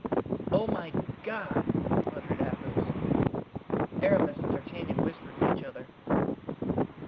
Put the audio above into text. "Oh, my God!" muttered Athos. Aramis and D'Artagnan whispered to each other.